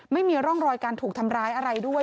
ไม่มีร่องรอยการถูกทำร้ายอะไรด้วย